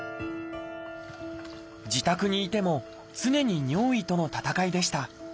自宅にいても常に尿意との闘いでした。